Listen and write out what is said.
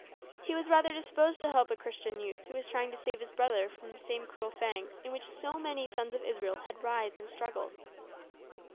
He was rather disposed to help a Christian youth who was trying to save his brother from the same cruel fangs in which so many sons of Israel had writhed and struggled.